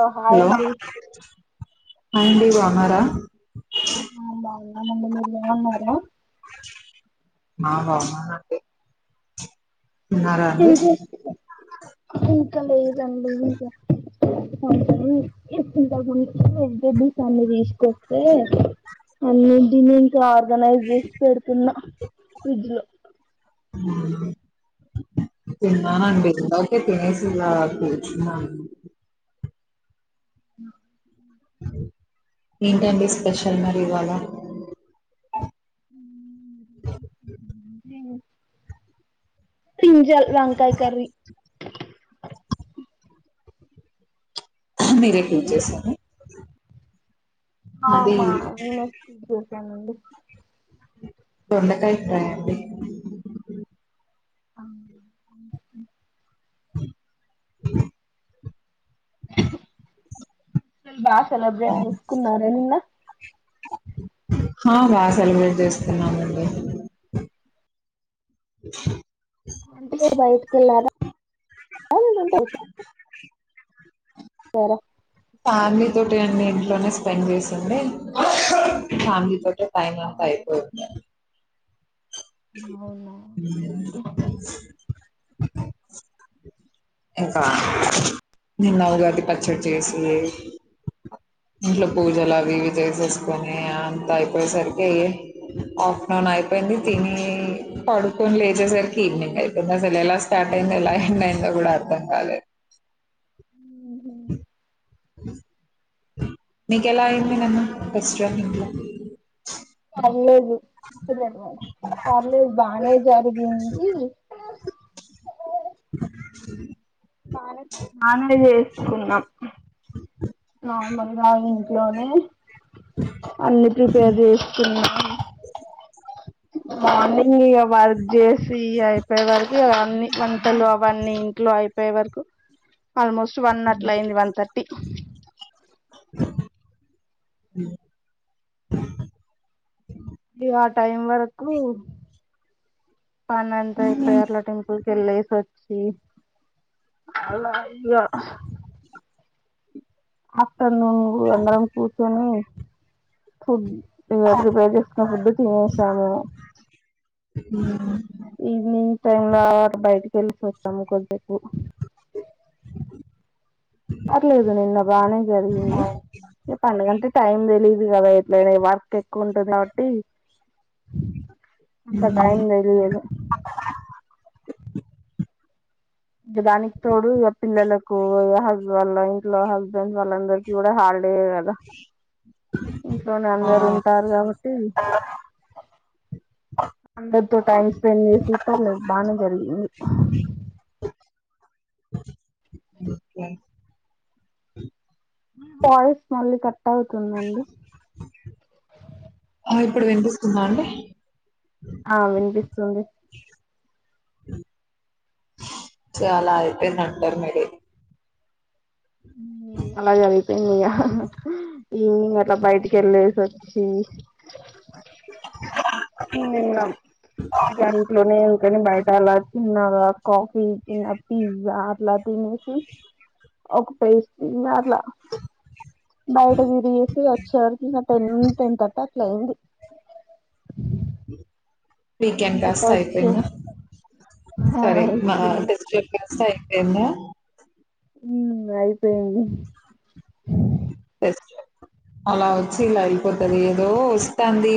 ఓ hi అండి మందిర్ అన్నారా ఆ బాగున్నా ముందు మీరు బాగున్నారా మావ అంటే పూజ [unintelligible] ఇంకా లేదండి ఇంకా [unintelligible] అన్ని తీసుకొస్తే అన్ని [unintelligible] ఆర్గనైజ్ జేసి పెడుతున్న ఫ్రిడ్జ్ లో అ తిన్నానండి ఇందాకే తినేసి ఇలా తిన్నామ్ [unintelligible] ఏంటండి స్పెషల్ మరి ఇవాలా బ్రింజల్ వంకాయ కర్రీ మీరే ఎమ్ కుక్ మీది చేసారు ఆ మా [unintelligible] అండి బెండకాయ ట్రాయాంగిల్ అ [inaudible] [unintelligible] బాత్ సెలబ్రేట్ చేసుకున్నారా నిన్న హా బాగా సెలబ్రేట్ చేసుకున్నామండి అంటే బయటికి వెళ్ళారా [unintelligible] ఉంటా సరే ఫ్యామిలీ తోటి అన్ని ఇంట్లోనే స్పెండ్ చేసుండే ఫ్యామిలీ తో ఫైవ్ మంత్స్ ఐపోయిండే అవును [inaudible] ఇంకా నిన్న ఉగాది పచ్చడి చేసి ఇంట్లో పూజలు అవి ఇవి చేసేసుకొని అంత అయిపోయేసరికి ఆఫ్టర్నూన్ అయిపోయింది తిని పడుకొని లేచేసరికి ఈవినింగ్ అయిపోయిందిో అసలు ఎలా స్టార్ట్ అయిందో ఎలా ఎండ్ అయిందో కూడా అర్ అర్థం కాలేదు [inaudible] [inaudible] ఉహు మీకెలా అయింది నిన్న ఫెస్టివల్ ఇంట్లో ఏంలే పర్లేదు బానే జరిగింది [inaudible] [inaudible] బానే బానే చేసుకున్నాం నార్మల్ నా ఇంట్లోనే అన్నిీ ప్రిపేర్ చేస్తున్నా మార్నింగ్ ఇక వర్క్ చేసి అయిపోయే వరకు అ అన్నిీ వంటలు అవన్నీ ఇంట్లో అయిపోయే వరకు ఆల్మోస్ట్ వన్ అట్ల అయింది వన్ థర్టీ [inaudible] [inaudible] ఇది ఆ టైం వరకు పనంతా ఇప్పుడు ఏరళ టెంపుల్ ఇళ సచ్చి అలాగా ఆ న్న నువ్వు అందరం కూర్చొని ఫుడ్ ఇంకా ప్రిపేర్ చేసుకున్న ఫుడ్ తినసాము ఉ ఈవనింగ్ టైం బయటి తెల్స వ తమ్కు వకు పర్లేదు నిన్న బానే ఆ, జరిగింది ర పడుగంట టైం తెలీదు కదా ఎట్లనే వర్క్ ఎక్కువ ఉంటంది కాబట్టి అంత టైమ్లిదు ఇ దానికి తోడు ఇ పిల్లలకు వల్ల ఇంట్లో హస్బెండ్ వాళ్ళందరికీ కూడా హాలిడే ఇంట్లోనే ఆ, అందరుూ ఉంటారు కాబట్టి అందరితో టైం స్పెండ్ చేసి ప బాగానే జరిగింది ఓకే. పాయిస్ మళ్ళీ కట్ అవుతుందండి ఇప్పుడు వినిపిస్తుందా అండి ఆ వినిపిస్తుంది సాలా అయితేందింటారు మీది అలాగ అయిపోయింది ఇగ ఈవినింగ్ అలా బయటికి వెళ్ళేసి వచ్చి ఇ జట్లోనే అని బయటాల తిన్నాలా కాఫీ కి పిజ్జా లా తీనిసి ఒక పేష్ బయటగిరి ఎసి వచ్చవర్ టెన్ టెన్ అట్ లవ్ మరి వీకెండ్ ఇంకా కాస్తా వచ్చే అయిపోయిందా ఆ సరే మా అయిపోయింది ఫెస్టివల్ కాస్త అయిపోయిందా ఊ ఇంగ అయిపోయింది [inaudible] అలా వచ్చ్ ఇలా అయిపోతాది ఏదో వస్తాంది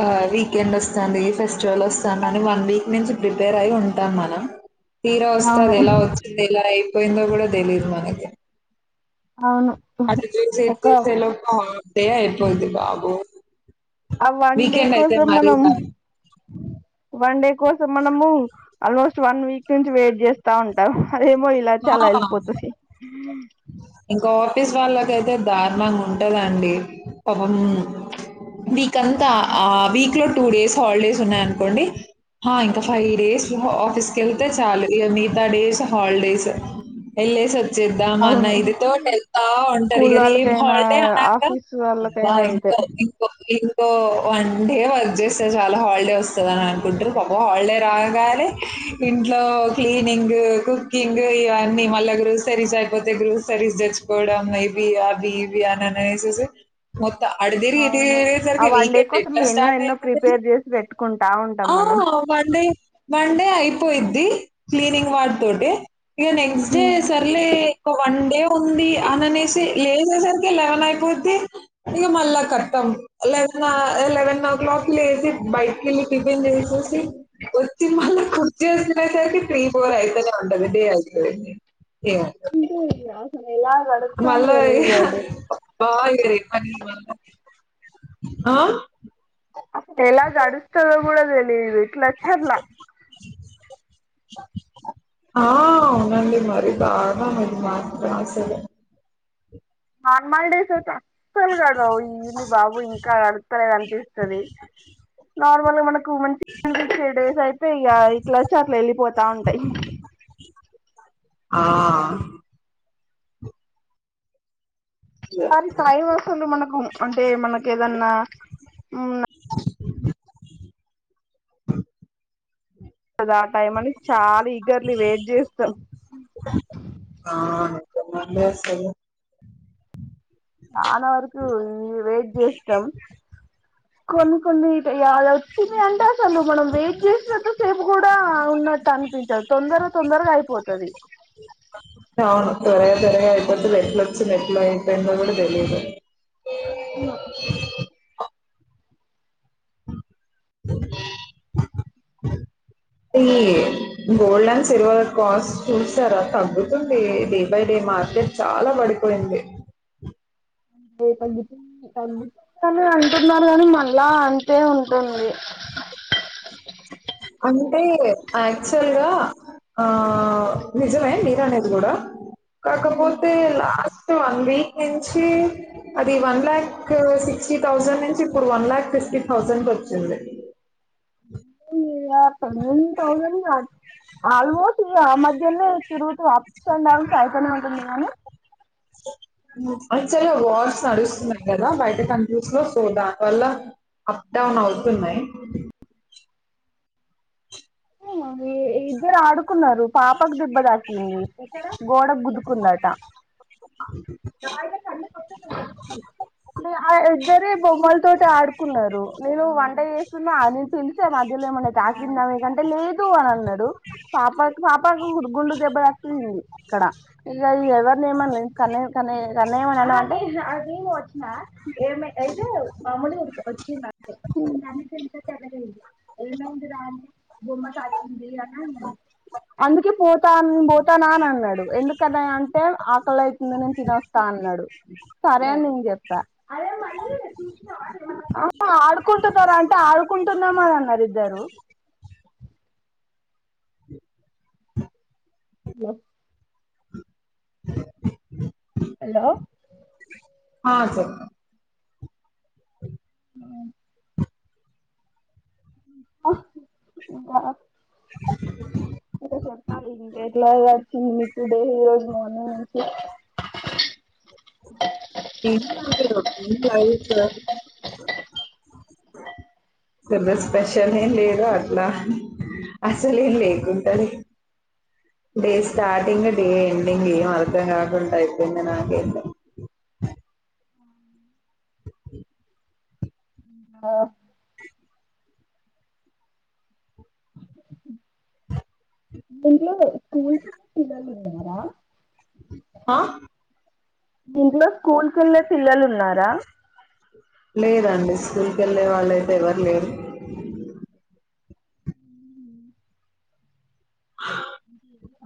ఆ వీకెండ్ వస్తాంది ఫెస్టివల్ వస్తాంది అని వన్ వీక్ నుంచి ప్రిపేర్ అయి ఉంటాన్నాను తీరా అవును వస్తాది ఎలా వచ్చింది ఎలా ఐ ట్లైయ్యిందో కూడా తెలియదు మనకి అవును అటు చేసి ఇటు ఒక చేసే లోపు [inaudible] ఆయిపోద్ది బాబు ఆ వన్ డే కోసం మనం దారుణం. వన్ డే కోసం మనము ఆల్మోస్ట్ వన్ వీక్ నుంచి వెయిట్ చేస్తా ఉంటాము అదేమో ఇలా వచ్చి అలా ఆ! ఎల్పోతాది. ఇంకా ఆఫీస్ వాళ్ళకైతే దారుణంగా ఉంటాదండి పాపం వీక్ అంతా ఆ వీక్ లో టూ డేస్ హాలిడేస్ ఉన్నాయి అనుకోండి హా ఇంకా ఫైవ్ డేస్ ఆఫీస్కెళ్తే చాలు ఇగ మిగతా డేస్ హాలిడేస్ వెళ్ళే సొచ్చేద్దాం అన్ని అవును ఇది స్కూల్ వాళ్ళకైనా హాలిడే అనంగా ఆఫీస్ అబ్బా! వాళ్ళకైనా అంతే ఇంకో గా వర్క్ చేస్తే చాలు హాలిడే వస్తదని అనుకుంటారు పాపం హాలిడే రాగానే ఇంట్లో క్లీనింగ్ కుకింగ్ ఇవన్నీ మళ్ళా గ్రూసరీస్ అయిపోతే గ్రూస్ కర్రీస్ తెచ్చుకోవడం ఇవి అవి ఇవి అని అనేసేసి మొ అటు తిరిగి ఇటూ అవును తిరిగే ఆ సారికి వన్ డే వీకెండ్ కోసం ఎట్లా ఎన్నో స్టార్ట్ ఎన్నో అయితది ప్రిపేర్ చేసి పెట్టుకుంటా ఉంటాం ఆ మనం వన్ డే వన్ డే అయి పోయిద్ది క్లీనింగ్ వాటితోటే ఇగ నెక్స్ట్ డే సర్లే కొ వన్ డే ఉంది అని అనేసి లేసేసరి కే లెవెన్ అయిపోద్ది ఇగ మళ్ళా ఖతం లేవ్ ఆ లేవన్ ఓ క్లాకి లేసి బయట్కి టిఫిన్ జేసేసి వతి మళ్ళీ కుర్చేసినయి అయితే త్రీ ఫోర్ అయితేనే ఉంటది డే అయితది. ఇంకా. [unintelligible] మళ్ళా ఇగ ఓయ్ ఆ ఎలా గడుస్తదో. గూడ తెలీదు. ఇట్ల అచ్చి అట్లా ఆ అవునండి మరి బాగా ఇది మాత్రం అసలు హాన్ మాయ్ డేసుత తలగడు ఎన్ది బాబు ఇంకా గడ్తలేద్ అనిపిస్తది నార్ మళ్ల మనం కుమన్స్ త్రీ డేస్ అయితే ఇగ ఇట్ల అచ్చి అట్లా ఎళ్ళిపోతా ఉంటాయి ఆ వారి సాయం అవసరమే మనకు అంటే మనకు ఏదన్నా ఊమ్ [inaudible] కాదా ఆ టైం అని చాలా ఈగర్లీ వెయిట్ చేస్తాం [unintelligible] చాలా వరకు ఇగ వెయిట్ జేస్తం కొన్ని కొన్ని ఇటు ఇగ అది వచ్చింది అంటే అసలు మనం వెయిట్ చేసినంత సేపు కూడా ఉన్నట్టు అనిపించదు తొందర తొందరగా అయిపోతది అవును త్వరగ త్వరగా అయిపోతది ఎట్ల వచ్చంది ఎట్ల అయిపోయిందో కూడా తెలీదు. తిన్న ఈ గోల్డ్ అండ్ సిల్వర్ కాస్ట్ చూసారా తగ్గుతుంది డే బై డే మార్కెట్ చాలా వడిపోయింది రేట్ తగ్గుతుంది. తగ్గుతుంది అని అంటున్నారు కాని మళ్ళా అంతే ఉంటుంది అంటే యాక్చువల్ గా ఆ నిజమే మీరు అనేది కూడా కాకపోతే లాస్ స్ట్ వన్ వీక్ నుంచి అది వన్ లాకు సిక్స్టీ థౌజండ్ నుంచి ఇప్పుడు వన్ లాక్ ఫిఫ్టీ థౌజండ్ కి వచ్చింది. [unintelligible] యా [unintelligible] టెన్ థౌసండ్ ఆల్మోస్ట్ ఇగ ఆ మధ్యనే తిరుగుతూ అప్స్ అండ్ డౌన్స్ అయితనే ఉంటుంది కానీ అది సరే వార్స్ నడుస్తున్నాయి కదా బయట కంట్రీస్ లో సో దానివల్ల అప్ డౌన్ అవుతున్నయి. ఏ మరి ఇద్దరు ఆడు కున్నారు పాపకు దెబ్బ తాకింది గోడ గుద్దుకుందట ఆ ఇద్దరే బొమ్మల తోటి ఆడుకున్నరు నేను వంట చేస్తున్నా అ నేను పిలిసా మధ్యలో ఏమన్నా తాకిందా మీకు అంటే లేద్ తూ అని అన్నడు పాప పాపాకు గుండుకు దెబ్బ తగిలింది ఇక్కడ ఇగ ఎవరిని ఏమనలే కానీ కానీ ఏమన్న అన్నవ అంటే [unintelligible] అయితే మాములు గా వచ్చింది అంతే తెలగైంది ఏమైంది రా అంటే బొమ్మ తాకి ంది అని అన్నాడు. అందుకే పోతా నేన్ పోతానా అని అన్నాడు. ఎందుకు కన్నయ్య అంటే ఆకలి అయితుంది. నేను తినొత్తా అన్నాడు. సరే అని నేను చె రా ఆడుకుంటున్నారా అంటే ఆడుకుంటున్నం అనన్నారు ఇద్దరు. హలో హలో ఆ సెప్ మ్మ్ ఇద నువ్వే చెప్పాలి ఇంక ఎట్లా వచ్చింది మీకు డే ఈ రోజు మార్నింగ్ నుంచి సండే స్పెషల్ ఏం లేదా అసలు లేకుండదు డే స్టార్టింగ్ డే ఎండింగ్ ఏం అర్థం కాకుండా ఐపోయింది నాకైతే అ ఆ [inaudible] ఆ మీ ఇంట్లో స్కూల్కి వెళ్ళె పిల్లలు ఉన్నారా లేదండి. స్కూల్కి వెళ్ళే వాళ్ళయితే ఎవరు లేరు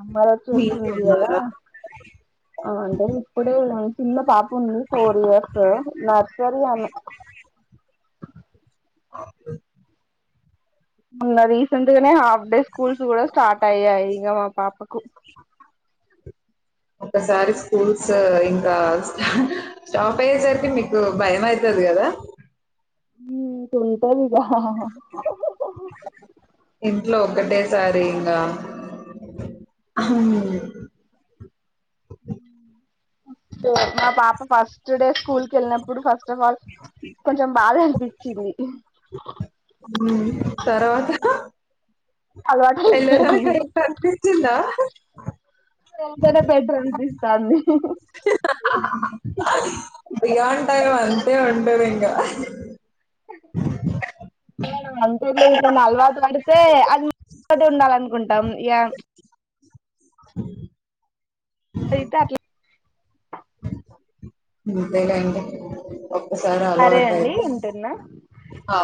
అమ్మ రచ్చూస్తుంది మీకే ఇయ్యాల ఉన్నారా ఆ అంటే ఇప్పుడే చిన్న పాప ఉంది ఫోర్ ఇయర్స్ కదా నర్సరి ఆమె అ మొన్న రీసెంట్ గానే హాఫ్ డే స్కూల్స్ కూడా స్టార్ట్ అయ్యాయి ఇంక మా పాపకు ఒకసారి స్కూల్స్ ఇంకా స్టాప్ అయ్యేసరికి మీకు భయం అయితది కదా ఉంటాదిగా ఇంట్లో ఒక్కటేసారి ఇంకా నా పాప పాస్ స్టుడే స్కూల్ కెళ్ళినప్పుడు ఫస్ట్ ఆఫ్ ఆల్ కొంచెం బాధ అనిపించింది తర్వాత అలవాటు వెళ్లినాక అయిపోయింది కనిపించిందా వెళ్తేనే బెటర్ అనిపిస్తాంది ఉంటది ఇంకా అంతేలి ఇంకా అలవాటు పడితే అది ఇటి ఉండాల అనుకుంటాం ఇ హ ఐతే అట్లా అంతేలేండి ఒకసారి సరే అలవాటు అండి ఐతే ఉంటున్నా ఆ